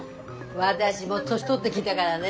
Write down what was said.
私も年取ってきたがらね